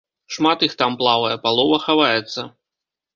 Шмат іх там плавае, палова хаваецца.